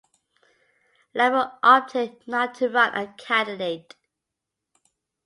Labor opted not to run a candidate.